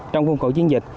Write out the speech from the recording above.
trong khuôn khẩu chiến dịch